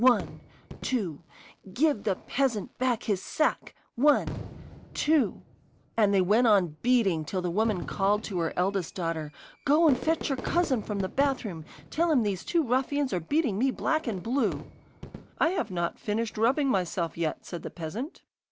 One two Give the peasant back his sack! One two ' And they went on beating till the woman called to her eldest daughter: 'Go and fetch your cousin from the bathroom. Tell him these two ruffians are beating me black and blue.' 'I've not finished rubbing myself yet,' said the peasant.